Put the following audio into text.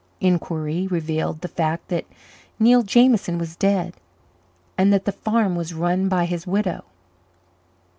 Inquiry revealed the fact that Neil Jameson was dead and that the farm was run by his widow.